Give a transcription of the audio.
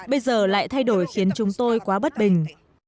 bây giờ lại thay đổi khiến chúng tôi quá bất bình